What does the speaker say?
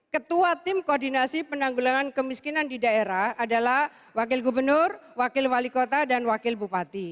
ketua tim koordinasi penanggulangan kemiskinan di daerah adalah wakil gubernur wakil wali kota dan wakil bupati